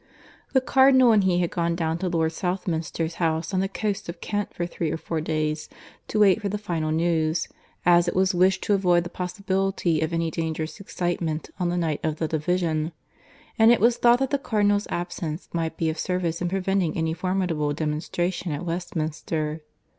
The Cardinal and he had gone down to Lord Southminster's house on the coast of Kent for three or four days to wait for the final news, as it was wished to avoid the possibility of any dangerous excitement on the night of the division; and it was thought that the Cardinal's absence might be of service in preventing any formidable demonstration at Westminster.